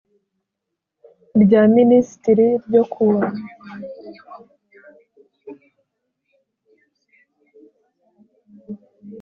Rya minisitiri no ryo kuwa